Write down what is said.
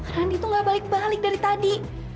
randy tuh gak balik balik dari tadi